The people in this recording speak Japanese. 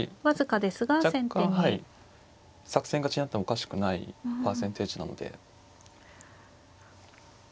作戦勝ちになってもおかしくないパーセンテージなので。